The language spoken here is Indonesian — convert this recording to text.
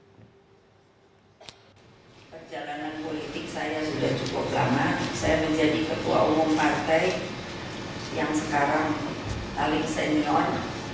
perjalanan politik saya sudah cukup lama saya menjadi ketua umum partai yang sekarang paling senior